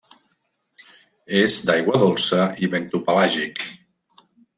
És d'aigua dolça i bentopelàgic.